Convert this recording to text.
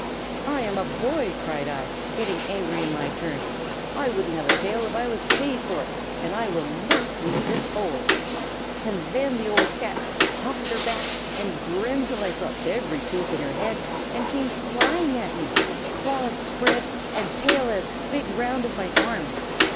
"'I am a boy!' cried I, getting angry in my turn. 'I wouldn't have a tail if I was paid for it; and I will not leave this hole!' "And then the old cat humped her back, and grinned till I saw every tooth in her head, and came flying at me, claws spread, and tail as big round as my arm.